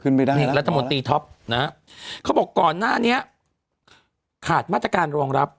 ไม่ได้นี่รัฐมนตรีท็อปนะฮะเขาบอกก่อนหน้านี้ขาดมาตรการรองรับ